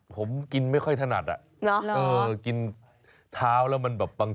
ผมกินไม่ค่อยถนัดน่ะ